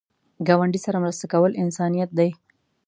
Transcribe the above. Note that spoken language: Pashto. ګاونډي سره مرسته کول انسانیت دی